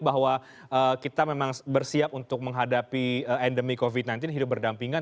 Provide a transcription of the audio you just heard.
bahwa kita memang bersiap untuk menghadapi endemi covid sembilan belas hidup berdampingan